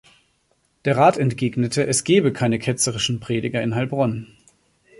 Der Rat entgegnete, es gebe keine ketzerischen Prediger in Heilbronn.